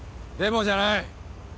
でもじゃない。